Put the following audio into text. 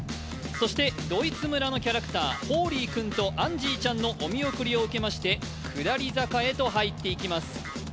そして、ドイツ村のキャラクターホーリー君とアンジーちゃんのお見送りを受けまして下り坂へと入っていきます。